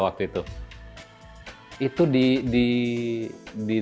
itu itu diligensi yang terkenal